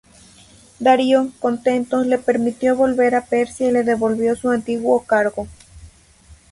Darío, contento, le permitió volver a Persia y le devolvió su antiguo cargo.